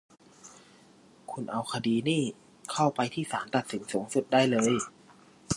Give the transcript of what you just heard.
คุณเอาคดีนี่เข้าไปที่ศาลตัดสินสูงสุดได้เลย